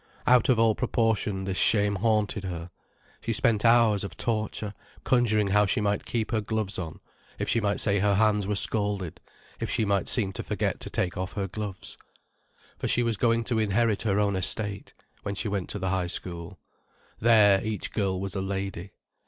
Out of all proportion, this shame haunted her. She spent hours of torture, conjuring how she might keep her gloves on: if she might say her hands were scalded, if she might seem to forget to take off her gloves. For she was going to inherit her own estate, when she went to the High School. There, each girl was a lady.